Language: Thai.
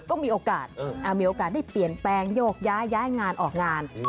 ก็มีโอกาสมีโอกาสได้เปลี่ยนแปลงโยกย้ายงานออกงาน